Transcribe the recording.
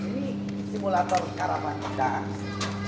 ini simulator karavan kita